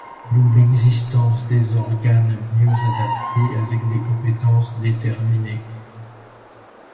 D'où l'existence des organes mieux adaptés avec des compétences déterminées.